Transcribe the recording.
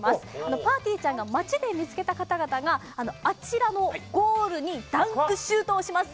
ぱーてぃーちゃんが街で見つけた方々があちらのゴールにダンクシュートをします。